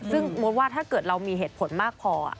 ซึ่งมดว่าถ้าเกิดเรามีเหตุผลมากพอ